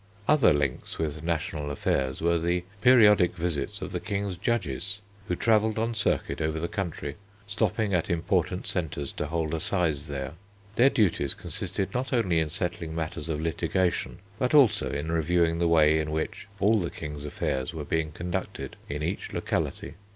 Other links with national affairs were the periodic visits of the King's judges who travelled on circuit over the country, stopping at important centres to hold assize there. Their duties consisted not only in settling matters of litigation, but also in reviewing the way in which all the King's affairs were being conducted in each locality.